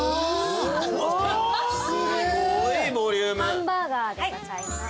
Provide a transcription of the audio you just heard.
ハンバーガーでございます。